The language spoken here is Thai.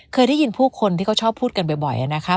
เคยได้ยินผู้คนที่เขาชอบพูดกันบ่อยนะคะ